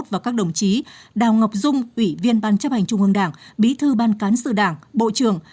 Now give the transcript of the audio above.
và các đồng chí đào ngọc dung ủy viên ban chấp hành trung ương đảng bí thư ban cán sự đảng bộ trưởng